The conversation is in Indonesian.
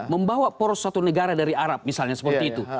membawa poros satu negara dari arab misalnya seperti itu